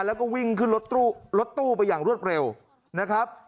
แล้วก็วิ่งขึ้นรถตู้ไปอย่างรวดเร็วนะครับ